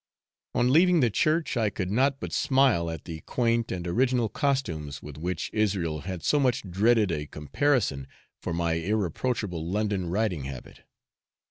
On leaving the church, I could not but smile at the quaint and original costumes with which Israel had so much dreaded a comparison for my irreproachable London riding habit.